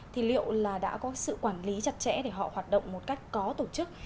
thì liệu là đã có sự quản lý chặt chẽ để họ hoạt động một cách có tổ chức